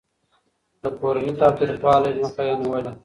د کورني تاوتريخوالي مخه يې نيوله.